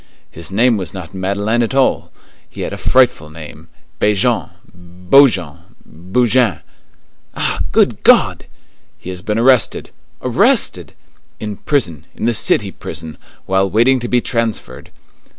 "His name was not Madeleine at all; he had a frightful name, Béjean, Bojean, Boujean." "Ah! Good God!" "He has been arrested." "Arrested!" "In prison, in the city prison, while waiting to be transferred."